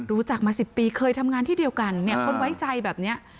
รู้จักมา๑๐ปีเคยทำงานที่เดียวกันเนี่ยคนไว้ใจแบบนี้